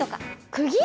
くぎ！？